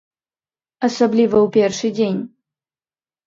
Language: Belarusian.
Асабліва ў першы дзень.